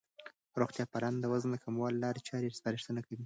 روغتیا پالان د وزن د کمولو لارې چارې سپارښتنه کوي.